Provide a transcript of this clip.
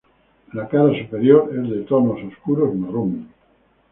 La cara superior es de tonos oscuros, marrón.